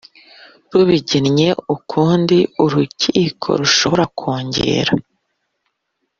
rubigennye ukundi Urukiko rushobora kongera